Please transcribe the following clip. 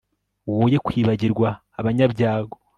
woye kwibagirwa abanyabyago